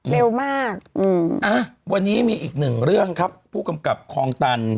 เร็วมากอืมอ่ะวันนี้มีอีกหนึ่งเรื่องครับผู้กำกับคลองตัน